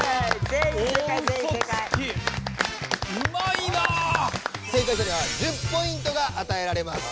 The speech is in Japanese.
正解者には１０ポイントがあたえられます。